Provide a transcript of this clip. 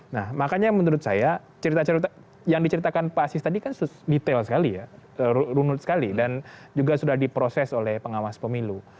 nah makanya menurut saya cerita cerita yang diceritakan pak asis tadi kan detail sekali ya runut sekali dan juga sudah diproses oleh pengawas pemilu